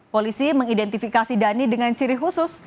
polisi mengidentifikasi dhani dengan ciri khusus